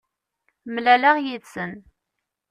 Mlaleɣ yid-sen.